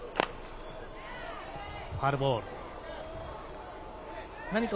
ファウルボール。